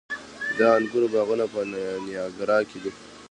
د انګورو باغونه په نیاګرا کې دي.